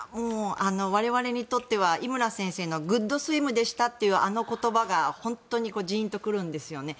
我々にとっては井村先生のグッドスイムでしたというあの言葉が本当にジーンと来るんですよね。